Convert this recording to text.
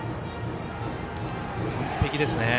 完璧ですね。